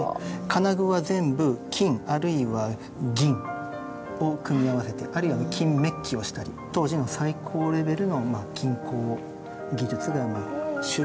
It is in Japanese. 金具は全部金あるいは銀を組み合わせてあるいは金メッキをしたり当時の最高レベルの金工技術が。